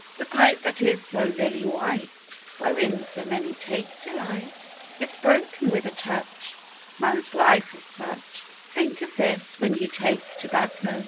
The pipe that is so lily white, Wherein so many take delight, It's broken with a touch,— Man's life is such; Think of this when you take tobacco!